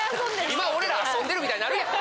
今俺ら遊んでるみたいになるやん！